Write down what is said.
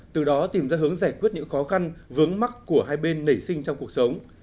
từ đó tìm ra hướng giải quyết những khó khăn vướng mắt của hai bên nảy sinh trong cuộc sống